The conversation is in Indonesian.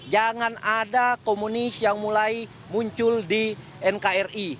jangan ada komunis yang mulai muncul di nkri